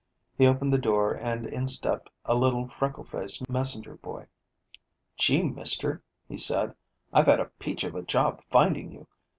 He opened the door, and in stepped a little, freckled faced messenger boy. "Gee, Mister," he said, "I've had a peach of a job finding you.